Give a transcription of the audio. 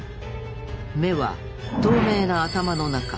目は透明な頭の中。